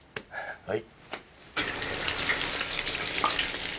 はい。